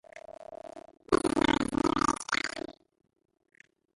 This is known as New Age Gaian.